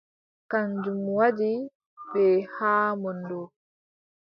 Kanjum waddi ɓe haa mon ɗo.